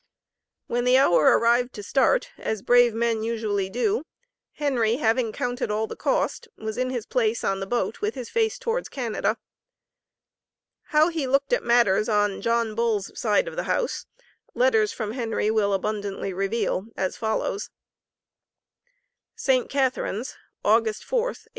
When the hour arrived to start, as brave men usually do, Henry, having counted all the cost, was in his place on the boat with his face towards Canada. How he looked at matters on John Bull's side of the house, letters from Henry will abundantly reveal as follows: ST. CATHARINES, August 4, 1854.